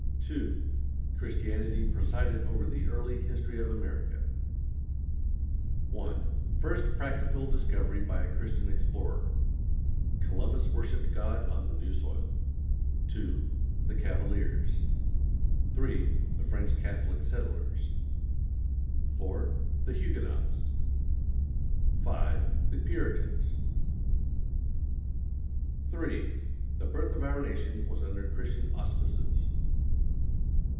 II. CHRISTIANITY PRESIDED OVER THE EARLY HISTORY OF AMERICA. 1. First practical discovery by a Christian explorer. Columbus worshiped God on the new soil. 2. The Cavaliers. 3. The French Catholic settlers. 4. The Huguenots. 5. The Puritans. III. THE BIRTH OF OUR NATION WAS UNDER CHRISTIAN AUSPICES.